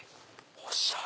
おしゃれ！